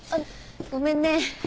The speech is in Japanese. ごめんね。